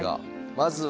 まずは。